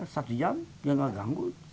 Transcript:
satu jam dia tidak ganggu